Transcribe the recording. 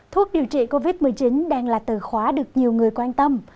thuốc điều trị covid một mươi chín đang là từ khóa được nhiều người quan tâm